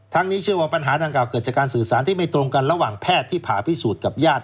นี้เชื่อว่าปัญหาดังกล่าเกิดจากการสื่อสารที่ไม่ตรงกันระหว่างแพทย์ที่ผ่าพิสูจน์กับญาติ